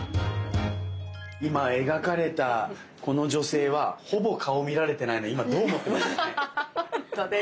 今描かれたこの女性はほぼ顔を見られてないの今どう思ってますかね？